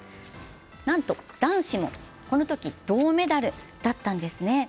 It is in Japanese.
なんと男子もこのとき銅メダルだったんですね。